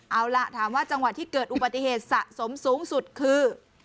เอาล่ะถามว่าจังหวัดที่เกิดอุบัติเหตุสะสมสูงสุดคือ